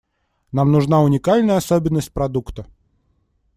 Нам нужна уникальная особенность продукта.